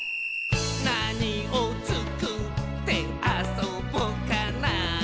「なにをつくってあそぼかな」